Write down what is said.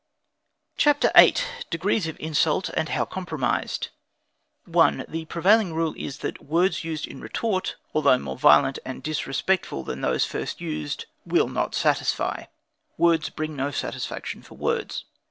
CHAPTER VIII. The Degrees of Insult, and How Compromised 1. The prevailing rule is, that words used in retort, although more violent and disrespectful than those first used, will not satisfy, words being no satisfaction for words.